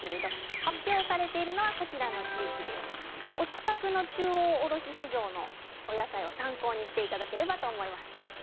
発表されているのはこちらの地域お近くの中央卸売市場を参考にしていただければと思います。